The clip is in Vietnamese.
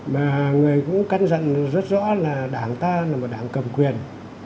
và người cũng cân dặn rất rõ là đảng ta là một đảng cầm quyền